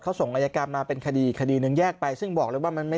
เขาส่งอายการมาเป็นคดีคดีหนึ่งแยกไปซึ่งบอกเลยว่ามันไม่